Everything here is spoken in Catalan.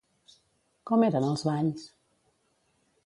Com eren els balls?